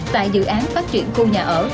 tại dự án phát triển khu nhà ở